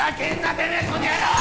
てめえこの野郎！